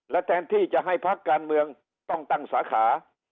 แทนที่จะให้พักการเมืองต้องตั้งสาขา